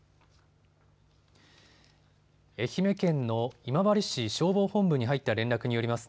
愛媛県の今治市消防本部に入った連絡によります